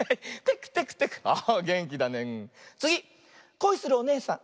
こいするおねえさん。